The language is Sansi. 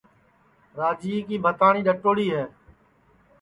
راجیے کی بھتاٹؔی ڈؔٹؔوڑی ہے